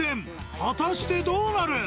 果たしてどうなる？